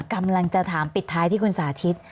กำลังจะถามปิดท้ายที่คุณสาธิต